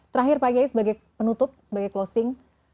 terakhir pak kiai sebagai penutup sebagai closing